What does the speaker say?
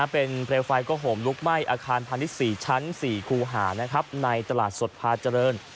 เป็นเปลวไฟก็โหมลุกไหม้อาคารพาณิชย์๔ชั้น๔คูหาในตลาดสดพาเจริญ